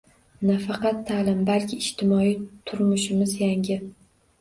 Nafaqat taʼlim, balki ijtimoiy turmushimiz yangi